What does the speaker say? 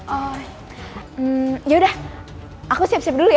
oh yaudah aku siap siap dulu ya